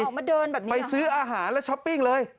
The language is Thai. ออกมาเดินแบบนี้ไปซื้ออาหารแล้วช้อปปิ้งเลย